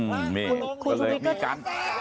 อือคุณชุวิตก็มีกัน